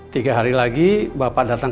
tiga hari lagi bapak datang